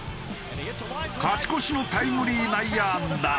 勝ち越しのタイムリー内野安打。